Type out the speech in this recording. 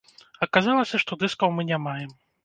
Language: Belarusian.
Аказалася, што дыскаў мы не маем.